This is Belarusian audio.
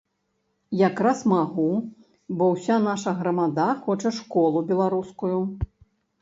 Якраз магу, бо ўся наша грамада хоча школу беларускую!